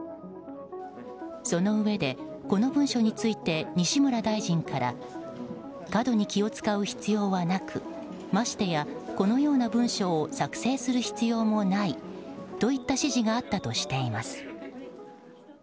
そのうえで、この文書について西村大臣から過度に気を使う必要はなくましてはこのような文書を作成する必要もないといった指示があったとしています。